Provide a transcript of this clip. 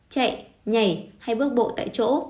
chạy nhảy hay bước bộ tại chỗ